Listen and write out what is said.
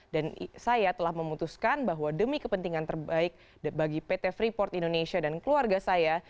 dan saya telah memutuskan bahwa demi kepentingan terbaik bagi pt freeport indonesia dan keluarga saya